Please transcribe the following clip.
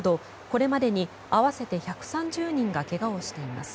これまでに合わせて１３０人が怪我をしています。